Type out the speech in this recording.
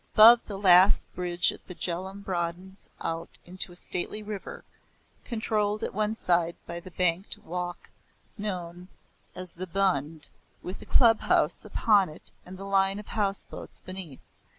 Above the last bridge the Jhelum broadens out into a stately river, controlled at one side by the banked walk known as the Bund, with the Club House upon it and the line of houseboats beneath.